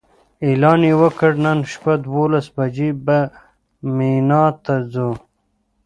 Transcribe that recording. اعلان یې وکړ نن شپه دولس بجې به مینا ته ځو.